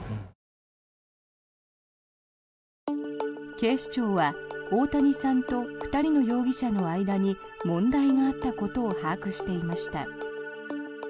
警視庁は大谷さんと２人の容疑者の間に問題があったことを把握していました。